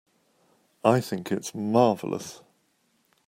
I think it's marvelous.